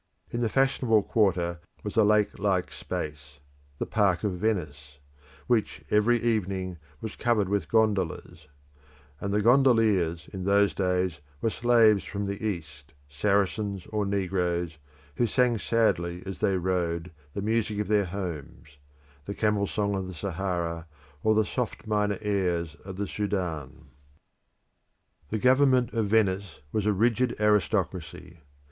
In the fashionable quarter was a lake like space the Park of Venice which every evening was covered with gondolas; and the gondoliers in those days were slaves from the East, Saracens or Negroes, who sang sadly as they rowed, the music of their homes the camel song of the Sahara, or the soft minor airs of the Sudan. The government of Venice was a rigid aristocracy.